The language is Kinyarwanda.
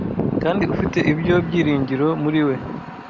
Kandi ufite ibyo byiringiro muri we